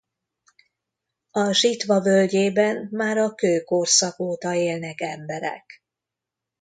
A Zsitva völgyében már a kőkorszak óta élnek emberek.